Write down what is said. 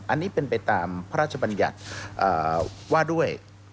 อันนี้เป็นไปตามพระราชบัญญัติว่าด้วย